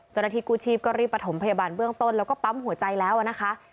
เจ้าหน้าที่กู้ชีพก็รีบประถมพยาบาลเบื้องต้นแล้วก็ปั๊มหัวใจแล้วนะคะ